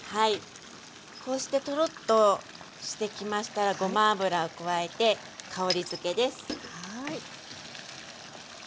こうしてトロッとしてきましたらごま油を加えて香りづけです。